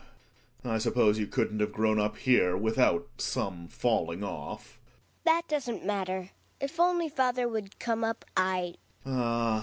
I suppose you couldn't have grown up here without some falling off. Hedvig. That doesn't matter, if only father would come up, I Gregers. Ah!